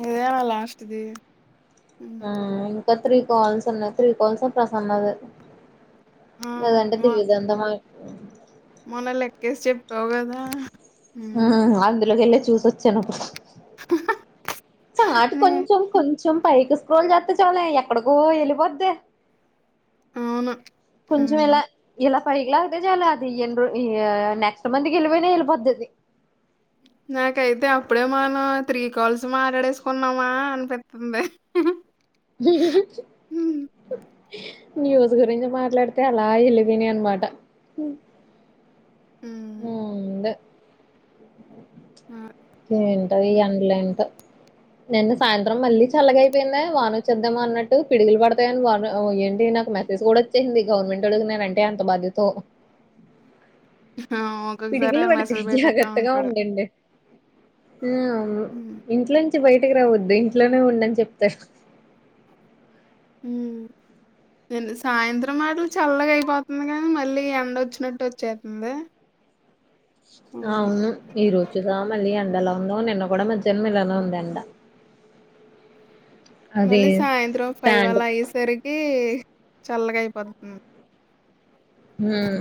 ఇదేనా లాస్ట్ ది ఇంకా త్రీ కాల్స్ ఉన్నాయి త్రీ కాల్స్ ఆ ప్రసన్నది ఆ అదంటే మొ దివ్యదంట మా మొన్న లెక్కేసి చెప్పావు కదా అందులోకెళ్లే చూసిచ్చాను ఇప్పుడు అట్ నే కొంచం కొ చం పైకి స్క్రోల్ చేస్త చాలె ఎక్కడికో వెళ్ళిపోద్ది అవును కొంచం ఇలా ఇలా పైకి లాగితే చాలు అది నెక్స్ట్ మంత్కి వెళ్ళిపోయినా వెళిపోద్ది నాకైతే అప్పుడే మనం త్రీ కాల్స్ మాట్డేసుకున్నామా అనిపిస్తుంది [inaudible] న్యూస్ గురించి మాట్లాడితే అలా వెళ్లిపోయినయి అన్నమాట ఊ దా ఆ ఏంటది ఎండలే ఇంత నిన్న సాయంత్రం మళ్ళీ చల్లగాయిపోయింద వాన వచ్చేద్దామా అన్నట్టు పిడుగులు పడతాయని వా ఏండే నాకు మెసేజ్ కూడా వచ్చింది గవర్నమెంట్ ఓడికి నేనంటే ఎంత బాధ్యతో ఒక్కొక్కసారి పడిగులు పడితే మెసేజ్ పెట్టేత్తా జాగ్రత్తగా ఉంటాడు ఉండడి ఆ అవును ఇంట్లో నుంచి బయటకి రావద్దు ఇంట్లోనే ఉండని చెప్పా హు సాయంత్రం మాటలు చల్లగా అయిపోతుంది కానీ మళ్ళీ ఎండ వచ్చినట్టు వచ్చేతుంది ఎలా ఉందో నిన్న కూడా మధ్యన్ ఇలానే ఉంది ఎండ అది మళ్ళీ సాయంత్రం ఫైవ్ ప్యాంటు అలా అయ్యేసరికి చల్లగా అయిపోతుంది హ్మ్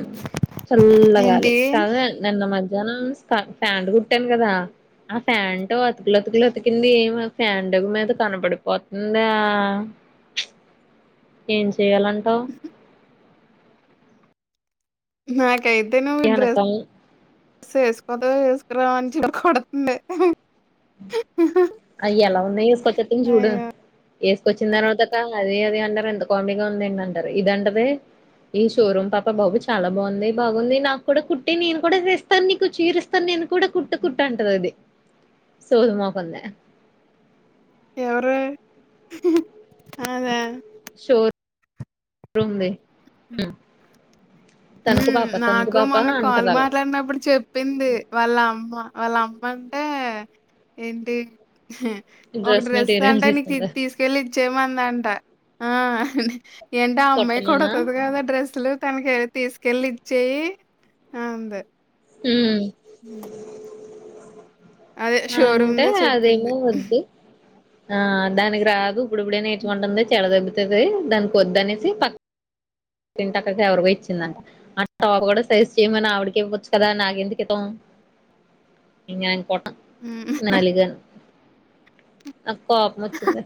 చల్లగాలి ఏంటి కాదే నిన్న మ మధ్యానం ఫ్యాంట్ కుట్టాను కదా ఆ ఫ్యాన్ంటో అతుకులొతుకులుొతికింది ఏం ఫ్యాన్టగు మీద కనబడిపోతుందా ఏం చెయ్యాలంటవు నాకైతే నువ్వు డ్రెస్ వెనకాల స్ వేసుకోతావో వేసుకురావన్ కో కొడుతుంది అయ్య ఎలా ఉన్న ఏసుకొచ్చేతం చూడు అయ్యో! ఏసుకొచ్చిందర్వాతక అది అది అంటారు ఎంత కామెడీగా ఉందేంది అంటారు ఇదంటాది ఈ షోరూమ్ పాప బాబు చాలా బావుంది బాగుంది నాకు కూడా కుట్టి నీను కూడా చేస్తాను నీకు చీరిస్తాను నీ నేను కూడా కుట్టు కుట్టంటాది అది సోది మొఖం ది ఎవరే అదా [unintelligible] రూంది ఉమ్ తనుకు పా నాకూ మొన్న కాల్ మాట్లాడినప్పుడు చెప్పింది వాళ్ళ అమ్మ వాళ్ళ అమ్మ అంటే ఏంటి ఒక డ్రెస్ మెటీరియల్ అంటే నీది తీ తీసుకుంది తీసుకెళ్ళి ఇచ్చేమంది అంట ఏంటి ఆ అమ్మాయి కుట్టమనా కుడతాది కదా డ్రస్ లు తనకి తీసుకెళ్లి ఇచ్చేయి అంది ఊ [unintelligible] అదే అంటే షోరూమ్‌దే అదేమో చెప్పింది. వద్దు ఆ దానికి రాదు ఇప్పుడిప్పుడే నేర్చుకుంటుంది చెడ దెబ్బుతది దానికొద్దు అనేసి ప కింటక్కకు ఎవరికో ఇచ్చిందంట అ టాప్ కూడా సైజ్ చేయమని ఆవిడికే ఇవచ్చు కదా నాకెందుకు ఇటం ఇంగ నేను కుట్ను హ్మ్. నలుగని నాకు కోపం వచ్చింది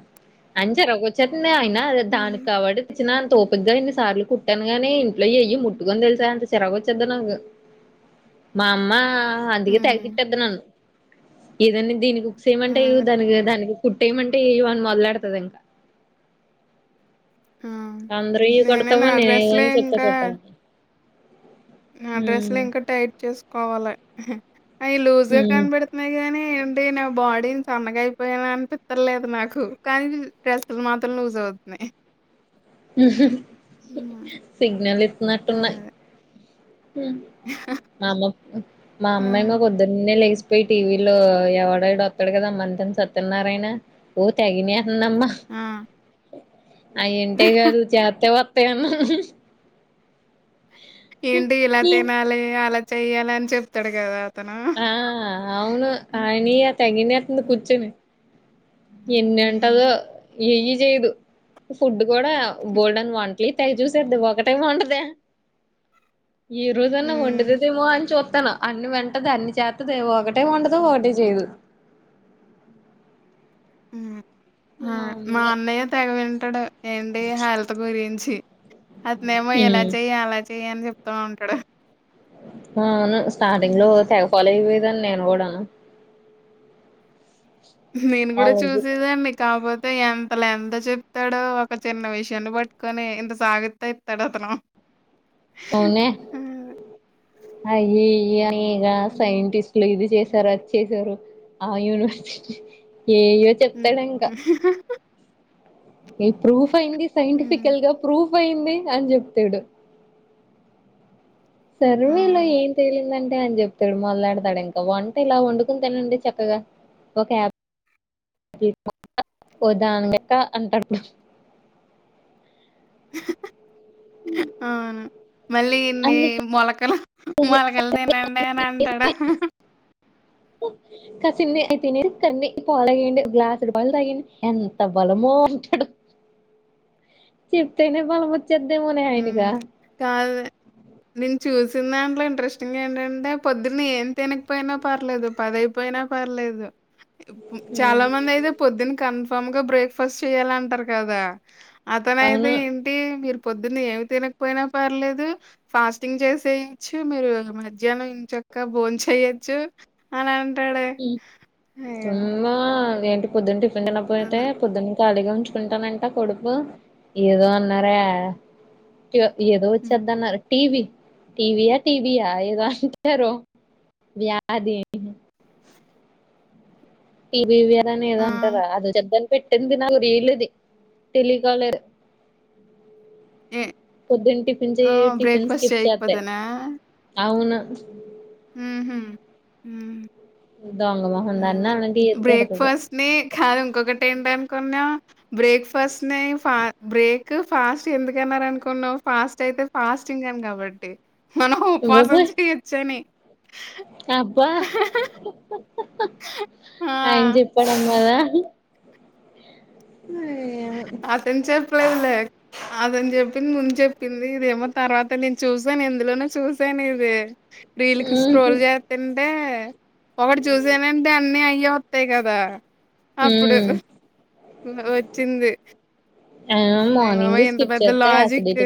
అని చిరాకొచ్చేత్ నే అయినా దానికి హ్మ్. కావడి చ్చిన అంత ఓపిగ్గా ఇన్ని సార్లు కుట్టాను గానీ ఇంట్లో ఎయ్యీ ముట్టుకొను తెలుసా అంత చిరాకు వచ్చేద్ది నాకు మా అమ్మ అందుకే తెగ హ్మ్. తిట్టేద్ది నన్ను ఏదన్నా దీనికి హుక్సేయమంటే ఆ! ఎయ్యవు దానికి దానికి కుట్టేయమంటే ఎయ్యవు అని మొదలెడతది ఇంక ఆ అందరవియ్యీ నేనే నా కుడతావు డ్రెస్లే నేనేం చెప్తే కుట్టవ్ ఉ ఆ డ్రెస్లు ఇంకా టైట్ చూసుకోవాలి అయి లూస్ గా హ్మ్ కనపడుతున్నాయి కానీ ఏంటి నా బాడీ సన్నగా అయిపోయానా అనిపిత్తర్లేదు నాకు కానీ డ్రెస్లు మాత్రం లూజ్ అవ్ [unintelligible] సిగ్నల్ ఇత్తనట్టున్నాయి అదే. మా అమ్మ మా ఆ! అమ్మేమో పొద్దున్నే లేస్ పయ్యి టీ వీ లో ఎవడాడు వత్తాడు కదా మంతెన సత్యనారాయణ ఓ తెగినే [unintelligible] అమ్మ ఆ! అయి ఇంటే కాదు చేత్తే వత్తాయి అన్నా ఏంటి ఇలా తినాలి అలా చెయ్యాలి అని చెప్తాడు కదా అతను. ఆ అవును హ్మ్. ఆయినియి తెగినేత్తంది హ్మ్. కూర్చొని ఎన్నింటదో హ్మ్. ఏయ్యీ చెయ్యదు ఫుడ్డు కూడా బోల్డెన్ని వంట్లియి తెగ చూసేద్ది ఒకటీ వొండదే ఈ రోజన్నా హ్మ్. వండదదేమో అని చుత్తన్నా అన్ని వెంటది అన్ని చేత్తది ఒకటే వండదు ఒకటే చేయదు ఉమ్ మా ఆ మా అందే అన్నయ్య తెగ వింటాడు ఏంటి హెల్త్ గురించి అతనే ఏమో ఇలా చెయ్య అలా చెయ్య అని చెప్త ఉంటాడు అవును స్టార్టింగ్ లో హ్మ్. తెగ ఫోలో అయిపో యాను నేను కూడను నేను కూడా చూసేదాన్ని కాపోతే తో ఎంత లెంత్ చెప్తాడో ఒక చిన్న విషయాన్ని పట్టుకొని ఇంత సాగదీస్తా ఇస్తాడు అతను అ అవునే అయి ఇయి అని రియల్గా హ్మ్. సైంటిస్ట్లు ఇది చేస్త సారు వచ్చేశారు ఆ యూనివర్సిటీ ఏయో హ్మ్. చెప్తాడు ఇంకా ఏ ప్రూఫ్ అయింది హ్మ్. సైంటిఫికల్గా ప్రూ ఫ్ అయింది అని చెప్తాడు సర్వేలో అవును. ఏం తేలింది అం టే అని చెప్తాడు మొదలేడతాడు ఇంకా వంట ఇలా వండుకొని తినండి చక్కగా ఒక యాప్ [unintelligible] దానక అంటాడు అవును మళ్ళీ ఇన్ని అందుకే మొలకలు మొలకలు తినండి అని అంటాడు కాసిన్ని అయి తినేసి కొన్ని పాలు తాగేయండి గ్లాసుడు పాలు తాగేయండి ఎంత బలమో చెప్తేనే బలముద్ చెద్దే మోనే హ్మ్. ఆయనిగా కాదు. నేను చూసిన దాంట్లో ఇంట్రెస్టింగ్ ఏంటంటే పొద్దుని ఏం తినకపోయినా పర్లేదు పదయిపోయినా పర్లే ఎదు చాలా మందైతే పొద్దున్న కన్ఫామ్ గా బ్రేక్ఫాస్ట్ చెయాలంటారు కదా అతనయితే అవును ఏంటి మిరు పొద్దున్న ఏమి తినకపోయినా పర్లేదు ఫాస్టింగ్ చేసేయచ్చు మీరు మధ్యాహ్నం ఇంచ క్క భోన్ చెయొచ్చు అనన్ తుమ్మా అదేంటి పొద్దున్న టిఫిన్ తినక పొయితే అదే. పొద్దున్న ఖాళీగా ఉంచుకుంటానంట కొడుపు ఏదో అన్నారే ఏదో హ్మ్. వచ్చేద్దన్నారు టీ వీ టీ వీయా టీ బియా ఏదో అంటనారు వ్యాది టి బి వ్యాదని ఏదో ఆ! అంటార అది ఒచ్చేదని పెట్టింది తినాలి నీలు ది టెలికాలర్ ఏ పొద్దున టిఫిన్ ఆ! చెయ్యి టిఫిన్ బ్రేక్‌ఫాస్ట్ స్కిప్ చెత్తే చేయకపోతేనా? అవును [inaudible] ఊహు హ్మ్ దొంగ మొహందన్న బ్రేక్ఫాస్ట్ ని కాదు ఇంకొకటి ఏంటన్ బ్రేక్ ఫాస్ట్ ని ఫ బ్రేక్ ఫాస్ట్ ఎందుకన్నారు అనుకున్నావు ఫాస్ట్ అయి ఫాస్టింగ్ అని కాబట్టి మనం ఉపవాసం అబ్బబ్బోయ్ చేయొచ్చని అబ్బా ఆ! ఆయన చెప్పాడమ్మా ఏమో అతన్చెప్పు [inaudible] అతను చెప్పింది ముందు చెప్పింది ఇదేమో తర్వాత నేను చూసాను ఎందులోనో చూసాను ఇది రీలికి ఉహు స్క్రోల్ చేత్తంటే ఒకటి చూసానంటె అన్నీ అయి వత్తయి గదా అప్పుడు ఉమ్ టె ఆ అయి మార్నింగ్ బాబోయ్ ఇంత స్కిప్ పెద్ద చేస్తే లాజిక్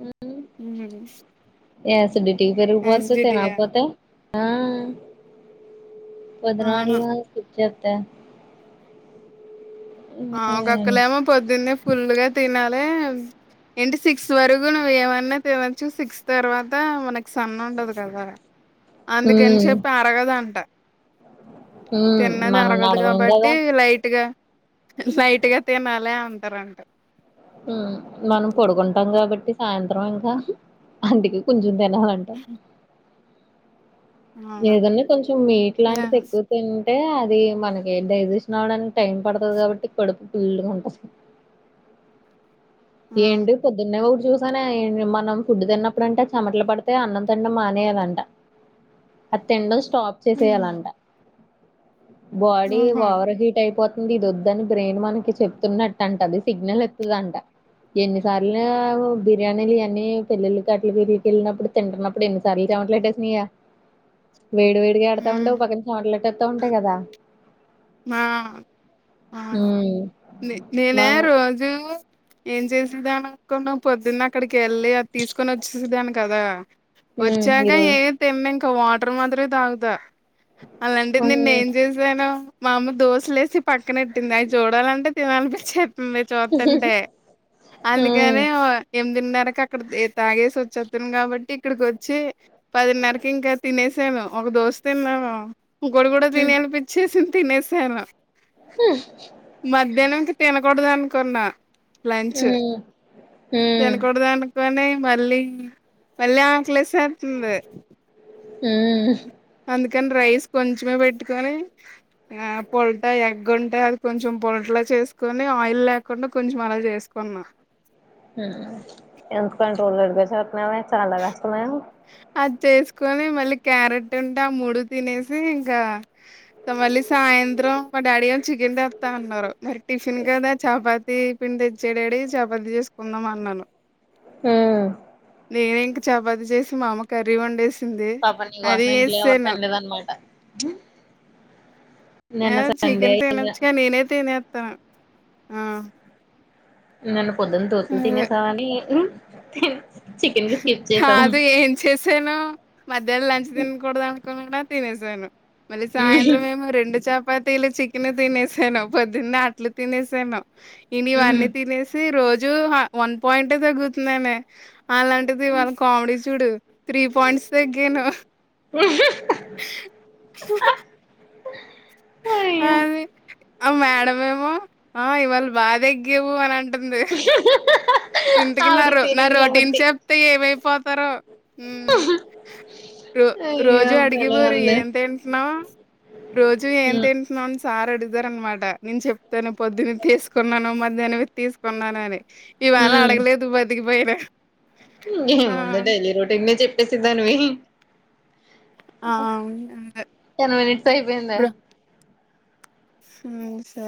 ఉ ఉహు యాసిడిటి పెరిగిపొద్ది తినకపోతే ఆ పద్నాడు అవును ఇచ్చేత ఆ ఒక్కొకలేమో పొద్దున్నే ఫుల్గా తినాలి ఏంటి సిక్స్ వరకు నువ్వు ఏమన్నా తినొచ్చు సిక్స్ తర్వాత మనకి సన్ ఉండదు కదా అందుకని చెప్పి అరగదంట ఉమ్ తిన్నది మనం అరగదు నడవం కదా కాబట్టి లైట్గా లైట్గా తినాలే అంటరంట మనం పడుకుంటాం కాబట్టి సాయంత్రం ఇంకా అందికే కొంచం తిం తినాలంట అవును ఏదన్నా కొంచెం మీట్ యా లాంటిది ఎక్కువ తిం టే అది మనకి డైజెషన్ అవ్వడానికి టైం పడుతది కాబట్టి కడుపు ఫుల్లుగా ఉంటది ఆ ఏంటి పొద్దున్నే చూసానే మనం ఫుడ్ తిన్నప్పుడు అంట చెమటలు పడితే అన్నం తినడం మానేయాలంట అది తినడం స్టాప్ చేసేయాలంట బాడీ ఓహో వోవర్ హీట్ అయిపో తుంది ఇది వద్దని బ్రెయిన్ మనకి చెప్తున్నట్టంట అది సిగ్నల్ ఇత్తదంట ఎన్నిసార్లు బిర్యానీలు అన్ని పెళ్ళిళ్ళకి అట్లు బిరిగికి వెళ్ళినప్పుడు తింటున్నప్పుడు ఎన్నిసార్లు ఎన్ని చేమటలు పట్టేస్నియా వేడి వేడిగా ఎడతా ఉంటే ఉమ్ ఓ పక్కన చేమట్లట్టేస్తా ఉంటాయి కదా మా అవును హ్మ్ మా నేనే రోజు ఏం చేసేదాన్ని అనుకున్నావ్ పొద్దున్న అక్కడికి వెళ్ళి తీసుకొని వచ్చేసేదాన్ని కదా హ్మ్ వచ్చాక ఈరోజు ఏం తిననింక వాటర్ మాత్రమే తాగుతా అలాంటిది నిన్న హ్మ్ ఏం చేసాను మా అమ్మ దోశలేసి పక్కన పెట్టింది అవి చూడాలంటే తినాలనిపించేది చూస్తంటే హ్మ్ అందుకని ఎ పదిన్నరకి అక్కడ తాగేసి వచ్చేస్తను కాబట్టి ఇక్కడికి వచ్చి పదిన్నరకి ఇంకా తినేసాను ఒక దోశ తిన్నాను ఇంకోటి కూడా హ్మ్ తినేయాలి అనిపిచ్చేసింది తినేసాను హ మధ్యాహ్నం ఇంక తినకూడదు అనుకున్నా లంచ్ హ్మ్ హ్మ్ తినకూడదు అనుకుని మళ్ళీ మళ్ళీ ఆక్లేసేతుంది ఉమ్ అందుకని రైస్ కొంచమే పెట్టుకని ఆ పొలట ఎగ్గుంటె అది కొంచెం పొలట గా చేసుకొని ఆయిల్ లేకుండా కొంచెం అలా చేసుకున్నా సోలడుగా చేతున్నావే చాలా కష్టమే అది చేసుకొని మళ్ళీ క్యారెట్ ఉంటే ఆ మూడు తినేసి ఇంకా మళ్ళీ సాయం సాయంత్రం మా డాడీ గారు చికెన్ తెస్తా అన్నారు మరి టిఫిన్ కదా చపాతి పిండి తెచ్చేయి డాడి చపాతి చేసుకుందాం అన్నాను ఆ నేనే ఇంక చపాతి చేసి మా అమ్మ కర్రీ వండేసి సింది పాపం నీ అది కోసం ఇంట్లో ఎవరు ఎసేసాను తినలేదనమాట ఏ నిన్న సండే చికెన్ తినొచ్చు కా నేనే తినేస్తాను ఆ నిన్న పొద్దున దోశలు అదే తినేసావని చికెన్ కి స్కిప్ చేసావు కాదు ఏం చేసాను మధ్యాహ్నం లంచ్ తినకూడదు అనుకున్నా తినేసాను మళ్ళీ సాయంత్రం ఏమో రెండు చప చాపతీలు చికెన్ తినేసాను పొద్దున్న ఆట్లు తినేసాను ఇని ఇవన్నీ తినేసి రోజూ వన్ పాయింటె తగ్గుతున్నానే అలాంటిది వాళ్ళ కామెడీ చూడు త్రీ పాయింట్స్ తగ్గాను అయ్యో అది ఆ మేడమేమో ఆ ఇవాళ బా తగ్గావు అని అంటుంది ఆవిడికి ఇంతకిన్నారు నా తెలీదు రొటీన్ కాబట్టి చెప్తే ఏమైపోతారో రో అయ్యో రోజు అడిగి భలే వరు ఉంది ఏం తింటున్నావు రోజు ఏం తింటున్నావుంటే సార్ అడుగుతారు అనమాట నేను చెప్తాను పొద్దున్న తీసుకున్నాను మధ్యాహ్నవి తీసుకున్నాను అని ఇవాళ అడగలేదు బతికిపోయినా ఆ ఇంకేముంది డైలీ రొటీనే చెప్పేసిద్దానివి ఆ! అవును. అదే టెన్ మనట్యిపోయిందే హమ్ సర్